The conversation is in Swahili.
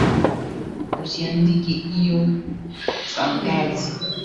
Usiandike hiyo sentensi